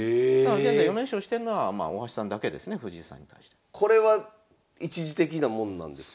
現在４連勝してんのは大橋さんだけですね藤井さんに対して。これは一時的なもんなんですか？